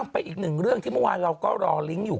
ไปอีกหนึ่งเรื่องที่เมื่อวานเราก็รอลิงก์อยู่